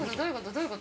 どういう事？